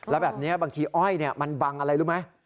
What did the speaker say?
แล้วแบบนี้บางทีอ้อยมันบังอะไรรู้ไหม